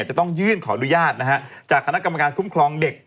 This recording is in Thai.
จะต้องยื่นขออนุญาตจากคณะกรรมการคุ้มครองเด็ก